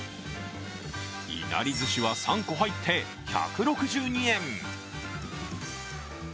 いなりずしは３個入って１６２円。